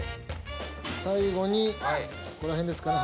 最後にここら辺ですかね